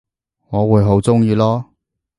我會好鍾意囉